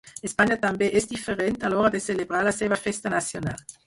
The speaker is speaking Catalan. Espanya també és diferent a l’hora de celebrar la seva festa nacional.